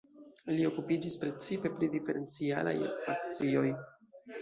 Li okupiĝis precipe pri diferencialaj ekvacioj.